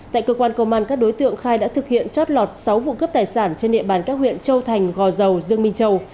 tại cơ quan công an các đối tượng khai đã thực hiện chót lọt sáu vụ cướp tài sản trên địa bàn các huyện châu thành gò dầu dương minh châu